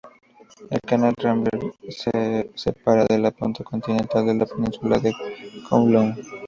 El canal Rambler la separa de la parte continental de la península de Kowloon.